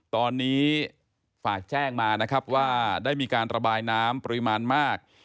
ตอนนี้ฝากแจ้งมานะครับว่าได้มีการระบายน้ำปริมาณมาก